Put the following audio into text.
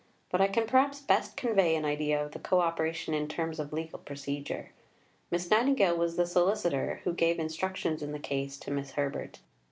But I can perhaps best convey an idea of the co operation in terms of legal procedure. Miss Nightingale was the solicitor who gave instructions in the case to Mr. Herbert.